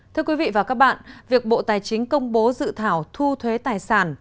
thưa quý vị và các bạn việc bộ tài chính công bố dự thảo thu thuế tài sản